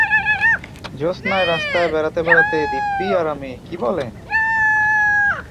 জ্যোৎস্নায় রাস্তায় বেড়াতে বেড়াতে দিব্যি আরামে– কী বলেন?